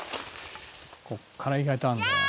「ここから意外とあるんだよな」